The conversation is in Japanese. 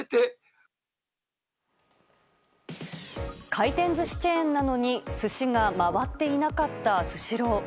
回転寿司チェーンなのに寿司が回っていなかったスシロー。